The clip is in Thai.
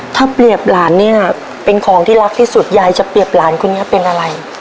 ถ้าเปรียบหลานเนี่ยเป็นของที่รักที่สุดยายจะเปรียบหลานคนนี้เป็นอะไร